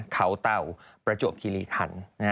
เขาเต่าประจวบคิริขัน